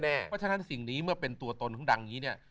เพราะฉะนั้นสิ่งนี้เมื่อเป็นตัวตนของดังอย่างนี้เนี่ย